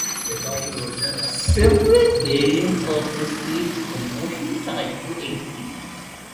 Several variants of the staged combustion cycle exists.